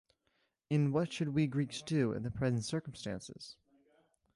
In What should we Greeks do in the Present Circumstances?